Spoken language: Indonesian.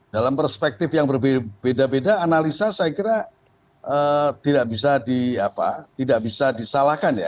dalam perspektif yang berbeda beda analisa saya kira tidak bisa disalahkan ya